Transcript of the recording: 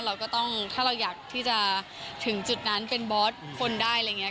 เราก็ต้องถ้าเราอยากที่จะถึงจุดนั้นเป็นบอสคนได้อะไรอย่างนี้